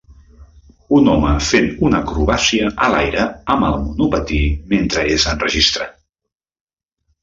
Un home fent una acrobàcia a l'aire amb el monopatí mentre és enregistrat.